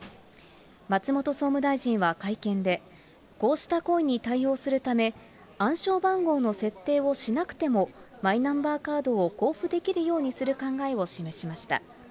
松本総務大臣は会見で、こうした声に対応するため、暗証番号の設定をしなくても、マイナンバーカードを交付できるようにする考えを示しました。